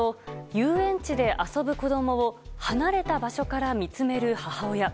遊園地で遊ぶ子供を離れた場所から見つめる母親。